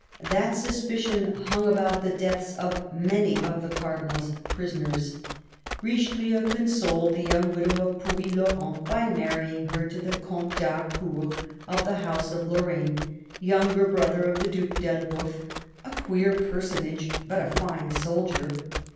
That suspicion hung about the deaths of many of the Cardinal's prisoners. Richelieu consoled the young widow of Puylaurens by marrying her to the Comte d'Harcourt, of the House of Lorraine, younger brother of the Due d'Elbeuf, a queer personage, but a fine soldier.